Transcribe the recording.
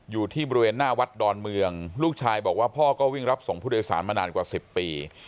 อยู่ที่บริเวณหน้าวัดดอนเมืองลูกชายบอกว่าพ่อก็วิ่งรับส่งผู้โดยสารมานานกว่า๑๐ปี